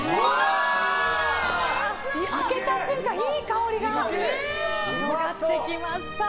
開けた瞬間、いい香りが漂ってきました！